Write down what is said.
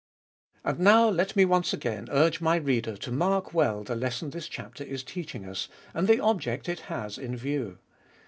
And now let me once again urge my reader to mark well the lesson this chapter is teaching us and the object it has in view.